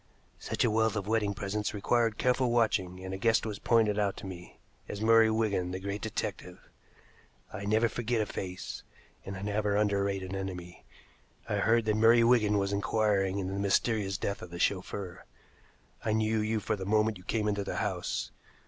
Such a wealth of wedding presents required careful watching, and a guest was pointed out to me as Murray Wigan, the great detective. I never forget a face, and I never underrate an enemy. I heard that Murray Wigan was inquiring into the mysterious death of the chauffeur. I knew you the moment you came into the house.